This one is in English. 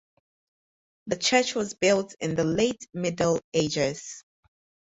The church was built in the late Middle Ages.